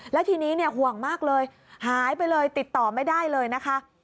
แล้วทีนี้เนี่ยห่วงมากเลยหายไปเลยติดต่อไม่ได้เลยนะคะ